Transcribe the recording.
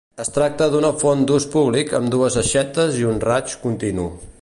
Es tracta d'una font d'ús públic amb dues aixetes i un raig continu.